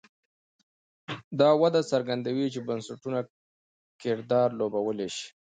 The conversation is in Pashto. دا وده څرګندوي چې بنسټونه کردار لوبولی شي.